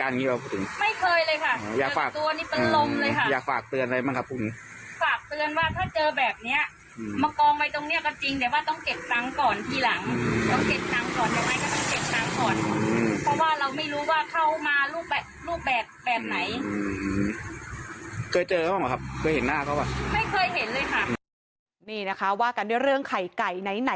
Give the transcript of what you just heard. รู้มารูปแบบไหน